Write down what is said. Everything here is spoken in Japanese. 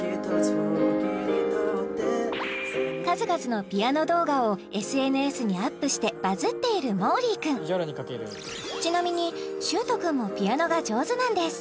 数々のピアノ動画をＳＮＳにアップしてバズっているもーりー君ちなみにしゅーと君もピアノが上手なんです